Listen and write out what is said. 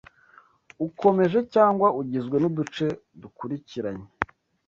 ukomeje cyangwa ugizwe n'uduce dukulikiranye